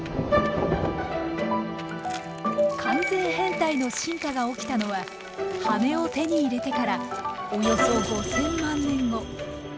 完全変態の進化が起きたのは羽を手に入れてからおよそ５，０００万年後。